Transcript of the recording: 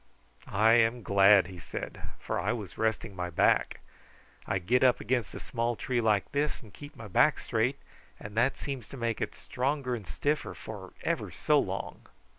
"I am glad," he said, "for I was resting my back. I get up against a small tree like this and keep my back straight, and that seems to make it stronger and stiffer for ever so long."